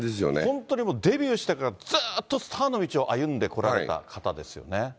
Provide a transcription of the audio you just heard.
本当にもう、デビューしてからずっとスターの道を歩んでこられた方ですよね。